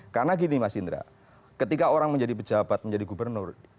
karena gini mas indra ketika orang menjadi pejabat menjadi gubernur